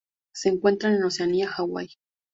Se encuentra en Oceanía: Hawaii.